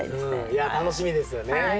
いや楽しみですよね。